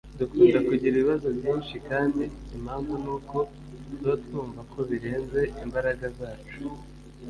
dukunda kugira ibibazo byinshi kandi impamvu ni uko tuba twumva ko birenze imbaraga zacu